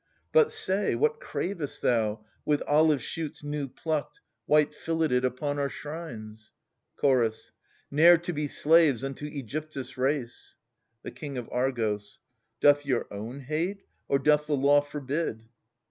But say, what cravest thou, with olive shoots New plucked, white filleted, upon our shrines ? Chorus. Ne'er to be slaves unto ^gyptus' race. The King of Argos. Doth your own hate, or doth the law forbid